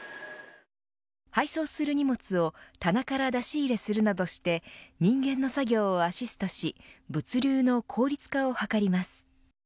配送する荷物を棚から出し入れするなどして人間の作業をアシストし物流の効率化を図ります。